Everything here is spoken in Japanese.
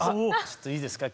ちょっといいですか？